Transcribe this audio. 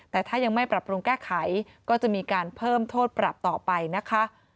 แต่ถ้ายังไม่ปรับปรุงแก้ไขก็จะมีการเพิ่มโทษปรับต่อไปนะคะ